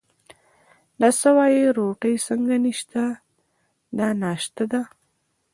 دا څه وایې، روټۍ څنګه نشته، دا ناشتا ده.